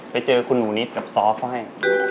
ไปเจอคุณหนูนิดกับซอฟเขาให้